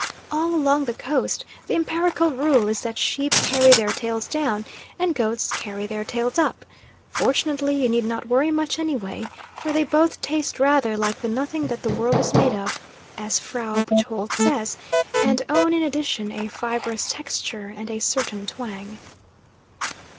All along the Coast the empirical rule is that sheep carry their tails down, and goats carry their tails up; fortunately you need not worry much anyway, for they both "taste rather like the nothing that the world was made of," as Frau Buchholtz says, and own in addition a fibrous texture, and a certain twang.